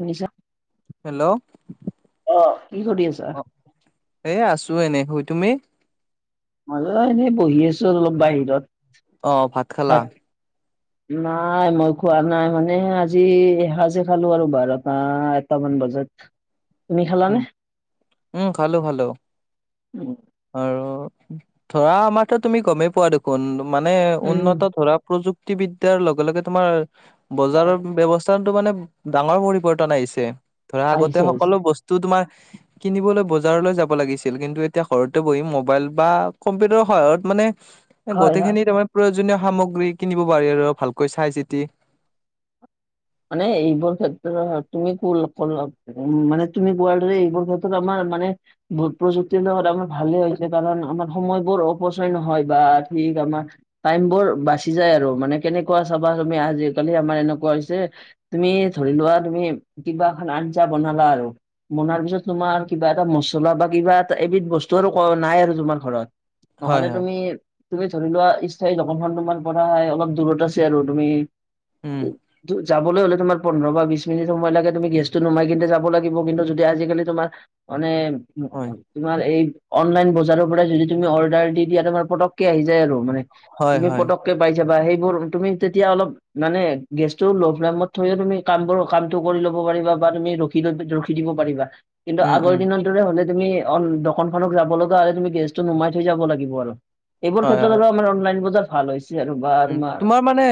শুনিছা হেল্ল, অ', কি কৰি আছা? অ, এই আছো এনেই শুই, তুমি? মইয়ো এনেই বহি আছো অলপ, বাহিৰত। অহ, ভাত খালা? নাই, মই খোৱা নাই, মানে আজি এসাঁজে খালো আৰু বাৰটা এটামান বজাত। উ [unintelligible] তুমি খালানে? খালো [inaudible] আৰু ধৰা আমাৰতো, তুমি গমেই পোৱা দেখোন, মানে উম উন্নত ধৰা প্ৰযু প্ৰযুক্তি বিদ্যয়াৰ লগে, লগে, তোমাৰ হয় বজাৰৰ ব্যৱস্থা ব্যৱস্থাতো মানে, ডাঙৰ পৰিৱৰ্তন আহিছে, ধৰা আগতে আহিছে আহিছে সকলো বস্তু বস্ত তোমাৰ কিনিবলৈ বজাৰলৈ যাব লাগিছিল, কিন্তু এতিয়া ঘৰতে বহি মোবাইল বা কম্পিউটাৰ সহায়ত, মানে হয় গোটেই হয়। খিনি তোমাৰ প্ৰয়োজনীয় সামগ্ৰী কিনিব পাৰি আৰু ভালকৈ চাই চিতি। মানে এইবোৰ ক্ষেত্ৰত, তুমি [unintelligible] মানে তুমি কোৱাৰদৰে, এইবোৰ ক্ষেত্ৰত আমাৰ মানে ভোত, প্ৰযুক্তিৰ লগত আমাৰ ভালেই হৈছে কাৰণ আমাৰ সময়বোৰ অপচয় নহয় বা ঠিক আমাৰ টাইম বোৰ বাচি যায় আৰু মানে কেনেকুৱা চাবা তুমি আজিকালি আমাৰ এনেকুৱা হৈছে। তুমি ধৰি লোৱা তুম, কিবা এখন আঞ্জা বনালা আৰু। বনাৰ পিছত তোমাৰ, কিবা এটা মছলা বা কিবা এটা এবিধ বস্তু আৰু ক, নাই আৰু তোমাৰ ঘৰত। হয় নহ'লে হয় তুমি, তুমি ধৰি লোৱা স্থায়ী দোকানখন তোমাৰ পৰা হয় অলপ দূৰত আছে আৰু তুমি উম, যাবলৈ হ'লে তোমাৰ পোন্ধৰ বা বিশ মিনিট সময় লাগে তুমি গেছটো নোমাই কিন্তু যাব লাগিব কিন্তু, যদি আজিকালি তোমাৰ মানে হয় তোমাৰ এই অনলাইন বজাৰৰ পৰাই যদি তুমি অৰ্ডাৰ দি দিয়া তোমাৰ পটককে আহি যায় আৰু মানে হয় তুমি হয় পটককে পাই যাবা সেইবোৰ তুমি তেতিয়া অলপ মানে গে [unintelligible] থৈয়ও তুমি কামবোৰ কামটো কৰি ল'ব পাৰিবা বা তুমি ৰখি ৰখি দিব পাৰিবা। কিন্তু উম আগৰ উম দিনৰ দৰে হলে তুমি অ দোকনখনক যাব লগা হ'লে তুমি গেছটো নুমাই থৈ যাব লাগিব আৰু। এইবোৰ হয় ক্ষেত্ৰত হয় আৰু আমাৰ অনলাইন বজাৰ ভাল হৈছে আৰু। উম তোমাৰ মানে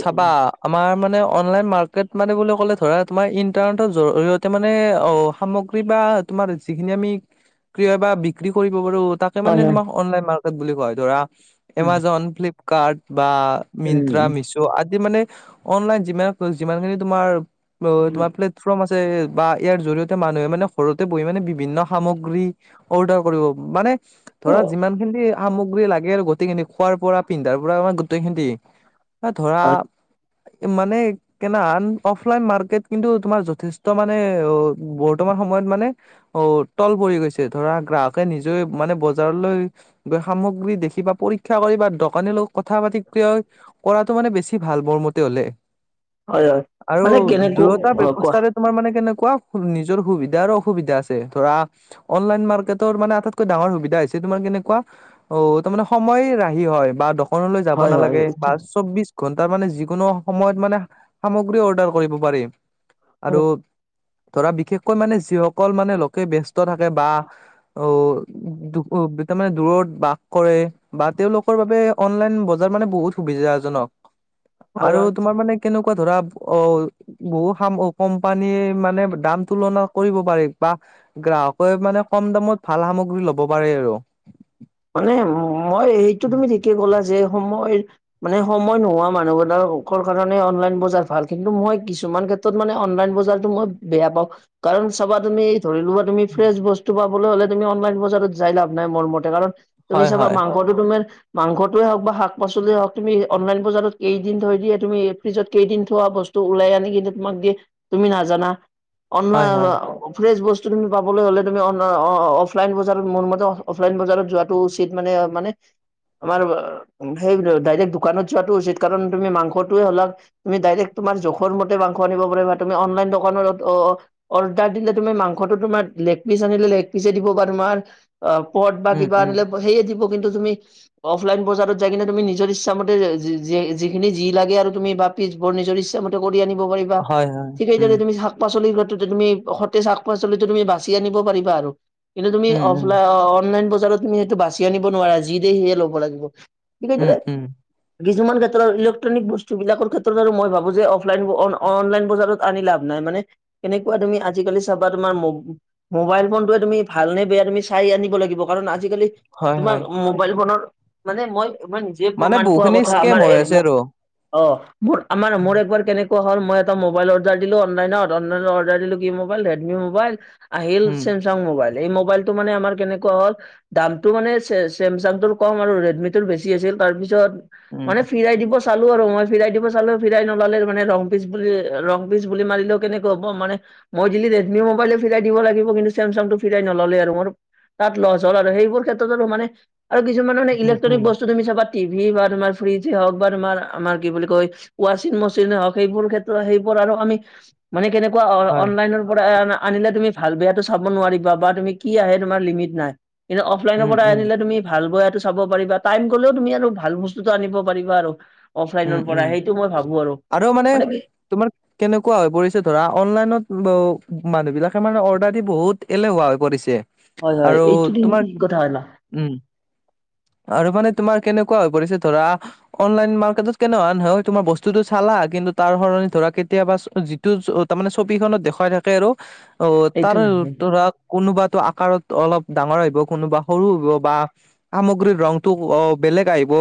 চাবা আমাৰ মানে অনলাইন মাৰ্কেট মানে বুলি ক'লে ধৰা তোমাৰ ইন্টাৰনেটৰ জৰিয়তে মানে অ সামগ্ৰী বা তোমাৰ যিখিনি আমি ক্ৰয় বা বিক্ৰী কৰিব পাৰো তাক হয় মানে হয় তোমাক অনলাইন মাৰ্কেট বুলি কোৱা হয় ধৰা উম, এমাজন ফ্লিপকাৰ্ট বা মিন্ত্ৰা মিৰ্চ আদি মানে অনলাইন যিমান যিমানখিনি তোমাৰ তোমাৰ প্লত ফ্ৰৰ্ম আছে বা ইয়াৰ জৰিয়তে মানুহে মানে ঘৰতে বহি মানে বিভিন্ন সামগ্ৰী অৰ্ডাৰ কৰিব মানে হয়, ধৰা যিমান খিনি সামগ্ৰী লাগে আৰু গোটেইখিনি খোৱাৰ পৰা পিন্ধাৰ ধৰা গোটেই খিনি এ ধৰা মানে কেনাআন অফলাইন মাৰ্কেট কিন্তু তোমাৰ যথেষ্ট মানে বৰ্তমান সময়ত মানে অ তল পৰি গৈছে ধৰা গ্ৰাহকে নিজেই মানে বজাৰলৈ সামগ্ৰী দেখিবা পৰীক্ষা কৰি বা দোকানীল [unintelligible] কৰাটো মানে বেছি ভাল মোৰ মতে হলে। হয়, হয়, আৰু মানে কেনেকুৱা দুয়োটা অ', কোৱা ব্যৱস্থাৰে তোমাৰ মানে কেনেকুৱা নিজৰ সুবিধা আৰু অসুবিধা আছে ধৰা অনলাইন মাৰ্কেটৰ মানে আটতকৈ ডাঙৰ সুবিধা হৈছে তোমাৰ কেনেকুৱা অ তাৰ মানে সময় ৰাহি হয় বা দশনলৈ যাব হয়, হয়, নালাগে এইটো। বা চৌবিশ ঘন্টাৰ মানে যিকোনো সময়ত মানে সামগ্ৰী অৰ্ডাৰ কৰিব পাৰি আৰু ধৰা বিশেষকৈ মানে যিসকল মানে লোকে ব্যস্ত থাকে বা অ দো - দুকু তাৰমানে দূৰত বাস কৰে বা তেওঁলোকৰ বাবে অনলাইন বজাৰ মানে বহুত সুবিধাজনক হয়, আৰু হয়। তোমাৰ মানে কেনেকুৱা ধৰা অল বহুত সামো অ কোম্পানীয়ে মানে দাম তুলনা কৰিব পাৰি বা গ্ৰাহকে মানে কম দামত ভাল সামগ্ৰী লব পাৰে আৰু। মানে মই এটো তুমি ঠিকে কলা যে সময় মানে সময় নোহোৱা মানুহবিলাকৰ অকল কাৰণে অনলাইন বজাৰ ভাল, কিন্তু মই কিছুমান ক্ষেত্ৰ তত মানে অনলাইন বজাৰটো মই বেয়া পাওঁ, কাৰণ চাবা তুমি ধৰিলোৱা তুমি ফ্ৰেছ বস্তু পাবলৈ হ'লে তুমি অনলাইন বজাৰত যাই লাভ নাই মোৰ মতে কাৰণ তুমি হয় চাবা হয় মাংসটো তোমাৰ মাংসটোৱে হওক বা শাক পাচলিয়ে হওক তুমি অনলাইন বজাৰত কেইদিন থয় দিয়ে তুমি ফ্ৰিজত কেইদিন থোৱা বস্তু ওলাই আনি কিন্তু তোমাক দিয়ে তুমি নাজানা হয় অনলাইন হয় অ ফ্ৰেছ বস্তু তুমি পাবলৈ হ'লে তুমি অনলাইন অ অ অফলাইন বজাৰত মোৰ মতে অফলাইন বজাৰত যোৱা টো উচিত মানে মানে আমাৰ ব সেই ডাইৰেক্ট দোকানত যোৱাতটো উচিত কাৰণ তুমি মাংসটোৱে হ'লা তুমি ডাইৰেক্ট তোমাৰ জোখৰ মতে মাংস আনিব পাৰিবা তুমি অনলাইন দোকানত অ অৰ্ডাৰ দিলে তুমি মাংসটো তোমাৰ লেগ পিচ আনিলে লেগ পিচ দিব বা তোমাৰ অ পত বা উম কিবা উম আনিলে সেয়ে দিব কিন্তু তুমি অফলাইন বজাৰত যাই কিনে তুমি নিজৰ ইচ্ছামতে যিখিনি যি লাগে আৰু তুমি বাপ পিছবোৰ নিজৰ ইচ্ছামতে কৰি আনিব পাৰিবা, হয় হয় ঠিক উম সেইদৰে তুমি শা পাচলি ক্ষেত্ৰতে তুমি সতেজ শাক পাচলিত তুমি বাচি আনিব পাৰিবা আৰু কিন্তু তুমি উম অ অ উম অনলাইন বজাৰত তুমি সেইটো বাচি আনিব নোৱাৰা যি দে সেয়ে ল'ব লাগিব, উম [unintelligible] উম কিছুমান ক্ষেত্ৰত ইলেক্ট্ৰনিক বস্তু বিলাকৰ ক্ষেত্ৰত বাৰু মই ভাবো যে অফলাইন অন-অনলাইন বজাৰত আনি লাভ নাই মানে কেনেকুৱা তুমি আজিকালি চাবা তোমাৰ ম মোবাইল ফোনটোৱে তুমি ভালনে বেয়া তুমি চাই আনিব লাগিব, কাৰণ আজিকালি হয় তোমাৰ হয় মোবাইল ফোনৰ মানে মই তোমাৰ নিজে মানে প্ৰমণ পোৱা বহুখিনি কথা স্কেম আমাৰ হৈ আছে একমগ আৰু অ' মোৰ আমাৰ উম মোৰ একবাৰ কেনেকা কোৱা হল মই এটা মোবাইল অৰ্ডাৰ দিলো অনলাইনত অনলাইনত অৰ্ডাৰ দিলো কি মোবাইল ৰেডমি মোবাইল আহিল উম ছেমছাং মোবাইল এই মোবাইলটো মানে আমাৰ কেনেকুৱা হ'ল দাম টো মানে ছে-ছেমছাং টোৰ কম আৰু ৰেডমি টোৰ বেছি আছিল, তাৰপিছত উম মানে ফিৰাই দিপষ্ট চালো আৰু মই ফিৰাই দিব চালো ফিৰাই নোলালে মানে ৰং পিচ বুলি ৰং পিচ বুলি মাৰিলেও কেনেকে হ'ব মানে মই দিল ৰেডমি মোবাইলে ফিৰাই দিব লাগিব কিন্তু ছেমছাং টো ফিৰাই নল'লে আৰু মোৰ তাত লছ হ'ল আৰু সেইবোৰ ক্ষেত্ৰতো মানে আৰু কিছুমানৰ মানে উম ইলেক্ট্ৰনিক উম বস্তু তুমি চাবা টিভি বা তোমাৰ ফ্ৰিজে হওক বা তোমাৰ আমাৰ কি বুলি কয় ৱাশচিং মেচিনে হওঁক সেইবোৰ ক্ষেত্ৰত সেইবোৰ আৰু আমি মানে কেনেকুৱা হয় অ-অনলাইনৰ পৰা আন-আনিলে তুমি ভাল বেয়াটো চাব নোৱাৰিবা বা তুমি কি আহে তুমাৰ লিমিট নাই, কিন্তু অফলাইনৰ উম পৰা উম আনিলে তুমি ভাল বেয়াটো চাব পাৰিবা টাইম গলেও তুমি আৰু ভাল বস্তুটো আনিব পাৰিবা আৰু। উম অফলাইনৰ পৰা উম সেইটো মই ভাবো আৰু, মানে তোমাৰ কেনেকুৱা হৈ পৰিছে ধৰা অনলাইনত মানুহবিলাকে মানে অৰ্ডাৰ দি বহুত এলেহুৱা হৈ পৰিছে। হয় হয় আৰু এইটো কিন্তু তোমাৰ ঠিক কথা হয় ন। উম, আৰু মানে তোমাৰ কেনেকুৱা হৈ পৰিছে ধৰা অনলাইন মা কেটতকে ন নহয় তোমাৰ বস্তুতটো চালা কিন্তু তাৰ সলনি ধৰা কেতিয়াবা যিটো জত তাৰমানানে ছবিখনত দেখুৱাই থাকে আৰু অ তাৰ এইটো নাহে ধৰা কোনোবাতো আকাৰত অলপ ডাঙৰ আহিব কোনোবা সৰু হব বা সামগ্ৰীৰ ৰংতটো অ বেলেগ আহিব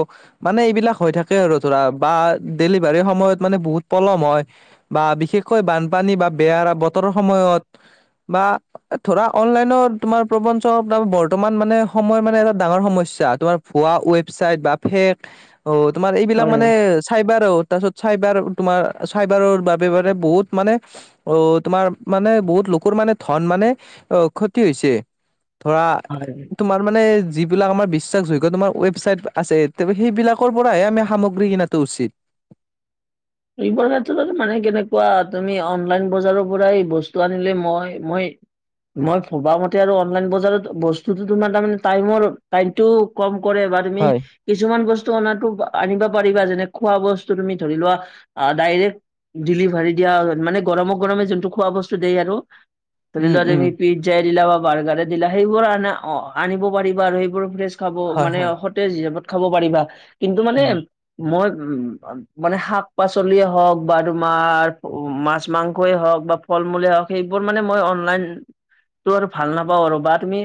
মানে এইবিলাক হৈ থাকে আৰু। ধৰা বা ডেলিভাৰীৰ সময়ত মানে বহুত পলম হয়। বা বিশেষকৈ বানপানী বা বেয়া বতৰৰ সময়ত বা ধৰা অনলাইন তোমাৰ প্ৰবঞ্চ বৰ্তমান মানে সময় মানে এটা ডাঙৰ সমস্যা তোমাৰ হুৱোৱা ৱেবচাইট বা ফেক অ তোমাৰ এইবিলাক হয় মানে চাইবাৰ তাৰপিছত চাইবাৰ তোমাৰ চাইবাৰৰ বাবে মানে বহুত মানে অ' তোমাৰ মানে বহুত লোকৰ মানে ধন মানে অ' ক্ষতি হৈছে। ধৰা হয় তোমাৰ তাৰমানে যিলাক আমাৰ বিশ্বাসযুইগ্য তমাৰ ৱেবছাইট আছে সেইবিলাকৰ পৰাহে আমি কামগ্ৰি ব্ৰি কিনাটো উচিত। এইবোৰ ক্ষেত্ৰত মানে কেনেকুৱা তুমি অনলাইন বজাৰৰ পৰাই বস্তু আনিলে মই মই মই ভবা মতে আৰু অনলাইন বজাৰত বস্তুতো তোমাৰ তাৰমান টাইমৰ টাইমতটোও কম কৰে বা তুমি হয় কিছুমান বস্তু অনা আনিব পাৰিবা যেনে খোৱা বস্তু তুমি ধৰি লোৱা অ' ডাইৰেক্ট ডেলিভাৰী দিয়া মানে গৰমে গৰমে যোনটো খোৱা বস্তু দিয় আৰু ধৰি উম লোৱা উম তমি পিজ্জাই দিলা বা বাৰ্গাৰ দিলা সেইবোৰ আনা অ, আনিব পাৰিবা আৰু সেইবোৰ ফ্ৰে খাব হয় মানে হয় সতেজ হিত খাব পাৰিবা কিন্তু মানে উম মই উ মানে শাপ শাক পাচলিয়ে হওঁক বা তোমাৰ মাছ মাংসই হওঁক বা ফল মূলেই হওঁক সেইবোৰ মানে মই অনলাইন টো আৰু ভাল নাপাওঁ আৰু বা তুমি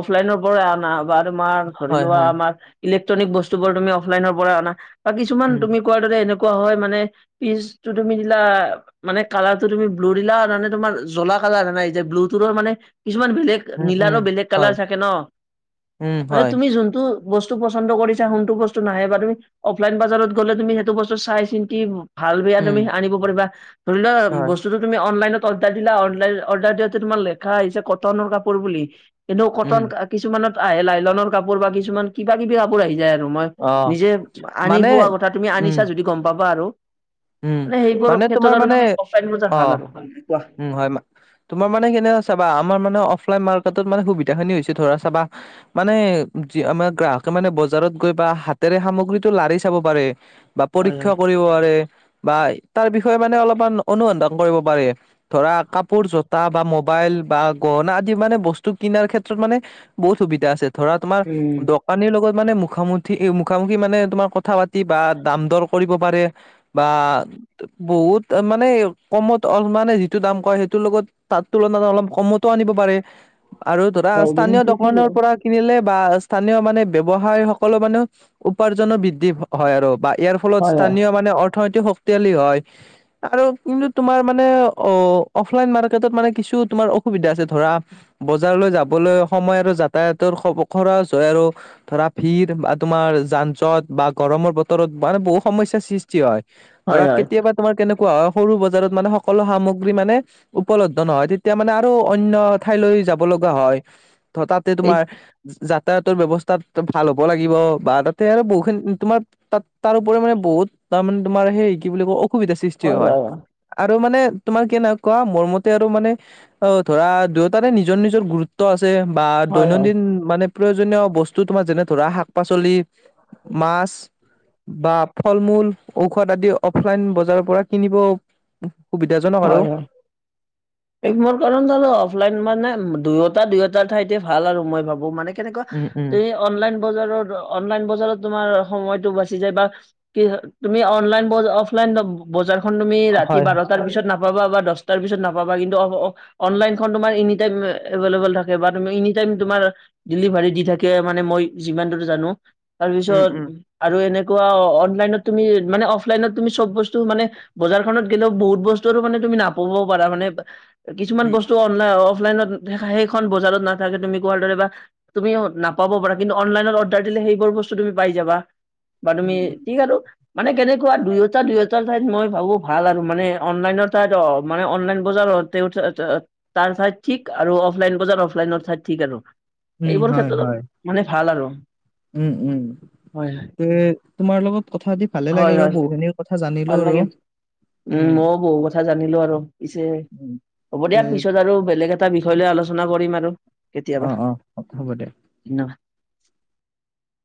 অফলাইনৰ পৰা আনা বা তোমাৰ ধৰি হয় লোৱা হয় আমাৰ ইলেক্ট্ৰনিক বস্তু বোৰ তুমি অফলাইনৰ পৰা অনা বা কিছুমান উম তুমি কোৱাৰ দৰে এনেকুৱা হয়, মানে পিচ টো তুমি দিলা। মানে কালাৰটো তুমি ব্লু দিলা মানে তোমাৰ জ্বলা কালাৰ হয় না ব্লুটোৰে মানে কিছুমান বেলেগ উম উম নীলাৰো বেলেগ কালাৰ হয় থাকে ন' উম মানে হয় তুমি যোনটো বস্তু পচন্দ কৰিছা সোনটো বস্তু নাহে বা তুমি অফলাইন বাজাৰত গ'লে তুমি সেইটো বস্তু চাই চিন্ত ভাল বেয়া উম তুমি আনিব পাৰিবা, ধৰি লোৱা হয় বস্তুটো তুমি অনলাইনত অৰ্ডাৰ দিলা, অনলাইনত অৰ্ডাৰ দিয়াতে তোমাৰ লেখা আহিছে কটনৰ কাপোৰ বুলি। কিন্তু উম কটন কিছুমানত আহে লাইলনৰ কাপোৰ বা কিছুমান কিবা কিবি কাপোৰ আহি যায় আৰু মই অ নিজে আনি মানে পোৱা কথা তুমি উম আনিছা যদি গ'ম পাবা আৰু। উম মানে সেইবোৰৰ তোমাৰ ক্ষেত্ৰত আৰু মানে তুমি অফলাইন বজাৰ অ ভাল আৰু, কোৱা? উম, হয় তোমাৰ মানে কেনে চাবা আমাৰ মানে অফলাইন মাৰ্কেটত মানে সুবিধা খিনি হৈছে ধৰা চাবা। মানে যি আমাৰ গ্ৰাহকে মানে বজাৰত গৈ বা হাতেৰে সামগ্ৰীটো লাৰি চাব পাৰে। বা হয় পৰীক্ষা হয়। কৰিব পাৰে বা তাৰ বিষয়ে মানে অলপমান অনুসন্ধান কৰিব পাৰে। ধৰা কাপোৰ জোতা বা মোবাইল বা গহনা আদি মানে বস্তু কিনাৰ ক্ষেত্ৰত মানে। বহুত সুবিধা আছে ধৰা তোমাৰ উম, দোকানীৰ লগত মানে মুখামুখি মুখামুখি মানে তোমাৰ কথা পাতি বা দাম দৰ কৰিব পাৰে। বা বহুত মানে কমত [unintelligible] মানে যিটো দাম কয় সেইটোৰ লগত তাৰ তুলনাত অলপ কমতো আনিব পাৰে, আৰু ধৰা হয় স্থানীয় দোকানৰ পৰা কিনিলে বা স্থানীয় মানে ব্য্ৱসায় সকলো মানে উপাৰ্জনো বৃদ্ধি হয় আৰু বা ইয়াৰ ফলত হয় স্থানীয় মানে অৰ্থনৈতিক শক্তিশালী হয়। আৰু কিন্তু তোমাৰ মানে অ', অফলাইন মাৰ্কেটত মানে কিছু তোমাৰ অসুবিধা আছে ধৰা। বজাৰলৈ যাবলৈ সময় আৰু যাতায়াতৰ খৰচ হয় আৰু ধৰা ভিৰ বা তোমাৰ যান জট বা গৰমৰ বতৰত মানে বহুত সমস্যাৰ সৃষ্টি হয়। হয় ধৰা হয় কেতিয়াবা তোমাৰ কেনেকুৱা, হয় সৰু বজাৰত মানে সকলো সামগ্ৰী মানে উপলব্ধ নহয় তেতিয়া মানে আৰু অন্য ঠাইলৈ যাব লগা হয়। ধৰ তাতে এই তোমাৰ যাতায়াতৰ ব্যয়ৱস্থা তাত ভাল হ'ব লাগিব বা তাতে আৰু বহুখিনি তোমাৰ তাত তাৰোপৰি মানে বহুত তাৰমানে তোমাৰ সেই কি বুলি কয় অসুবিধাৰ সৃষ্টি হয়। আৰু মানে তোমাৰ কেনেকোৱা, মোৰ মতে আৰু মানে অ', ধৰা দুয়োতাৰে নিজৰ নিজৰ গুৰুত্ব আছে বা হয় হয়। দৈনন্দিন মানে প্ৰয়োজনীয় বস্তু তোমাৰ যেনে ধৰা শাক-পাচলি, মাছ বা ফল-মূল, ঔষধ আদি অফলাইন বজাৰৰ পৰা কিনিব সুবিধাজনক হয়, হয়। [inaudible] এই মোৰ কাৰণ অফলাইন মানে দুয়োটা দুয়োটাৰ ঠাইতে ভাল আৰু মই ভাবো মানে কেনেকুৱা, উম উম তুমি অনলাইন বজাৰত অনলাইন বজাৰত তোমাৰ সময়তো বাচি যায় বা কি তুমি অনলাইন অফলাইন বজাৰখন তুমি ৰাতি হয় হয় বাৰটাৰ পিছত নাপাবা বা দহটাৰ পিছত নাপাবা, কিন্তু অনলাইনখন তোমাৰ এনিটাইম এভেলেবল থাকে বা এনিটাইম তোমাৰ ডেলিভাৰী দি থাকে, মানে মই যিমানদুৰ জানো উম তাৰপিছত উম আৰু এনেকুৱা অনলাইনত তুমি মানে অফলাইনত তুমি চব বস্তু মানে বজাৰখনত গেলেও বহুত বস্তু মানে তুমি নাপাবও পাৰা, মানে কিছুমান উম বস্তু অফলাইনত সেইখন বজাৰত নাথাকে তুমি কোৱাৰ দৰে বা তুমি নাপাব পাৰা কিন্তু অনলাইনত অৰ্ডাৰ দিলে সেইবোৰ বস্তু তুমি পাই যাবা।। বা তুমি উম উম ঠিক আৰু মানে কেনেকুৱা দুয়োটা দুয়োটাৰ ঠাইত মই ভাবো ভাল আৰু মানে অনলাইনৰ তাত অ মানে অনলাইন বজাৰত, তেওঁ [unintelligible] তাৰ ঠাইত ঠিক, আৰু অফলাইন বজাৰ অফলাইন ঠাইত ঠিক আৰু। উম এইবোৰ হয় ক্ষেত্ৰত হয় মানে ভাল আৰু। উম উম। হয় তে তোমাৰ লগত কথাপাতি ভালে হয় লাগিল আৰু হয় বহুখিনি কথা জানিলো ভাল আৰু লাগিল। উম মও বহু কথা কথা জানিলো আৰু। পিছে, উম হ'ব তে দিয়া পিছত আৰু বেলেগ এটা বিষয় লৈ আলোচনা কৰিম আৰু। অ কেতিয়াবা অ হ'ব দে ন?